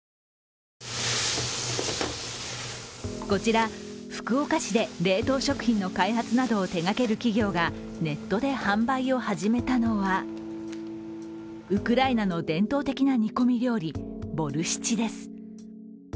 こちら、福岡市で冷凍食品の開発などを手がける企業がネットで販売を始めたのはウクライナの伝統的な煮込み料理ボルシチです。